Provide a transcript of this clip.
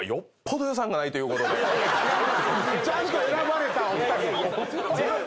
これは。ちゃんと選ばれたお二方。